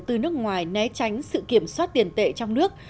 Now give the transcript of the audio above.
các nhà đầu tư nước ngoài né tránh sự kiểm soát tiền tệ trong nước